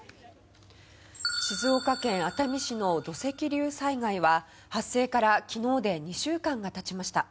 静岡県熱海市の土石流災害は発生から昨日で２週間が経ちました。